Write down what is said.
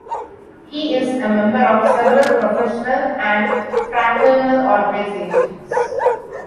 He is a member of several professional and fraternal organizations.